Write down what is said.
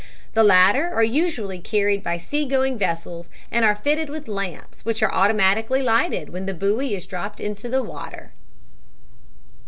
The latter are usually carried by sea going vessels and are fitted with lamps which are automatically lighted when the buoy is dropped into the water.